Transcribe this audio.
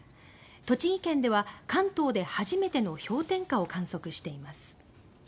栃木県では関東で初めての氷点下を観測しています。